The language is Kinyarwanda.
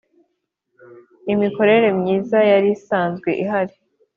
imikorere myiza yari isanzwe.ihari